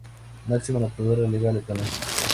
Máximo anotador de la liga letona.